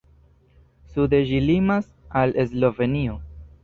Sude ĝi limas al Slovenio.